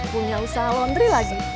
punya usaha laundry lagi